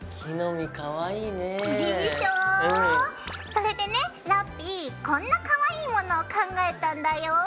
それでねラッピィこんなかわいいものを考えたんだよ！